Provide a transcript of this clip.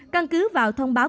căn cứ vào thông báo